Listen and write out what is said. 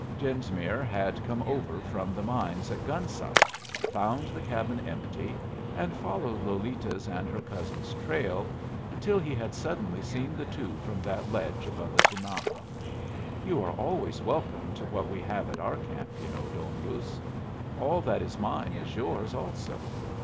Genesmere had come over from the mines at Gun Sight, found the cabin empty, and followed Lolita's and her cousin's trail, until he had suddenly seen the two from that ledge above the Tinaja. "You are always welcome to what we have at our camp, you know, Don Ruz. All that is mine is yours also.